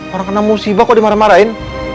orang kena musibah kok dimarah marahin